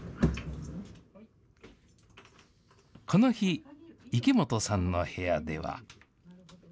この日、池本さんの部屋では。